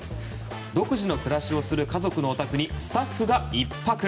独自の暮らしをする家族のお宅にスタッフが１泊。